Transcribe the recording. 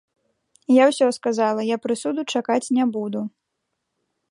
Я ўсё сказала, я прысуду чакаць не буду.